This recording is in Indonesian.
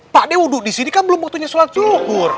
pade wudhu disini kan belum waktunya sholat syukur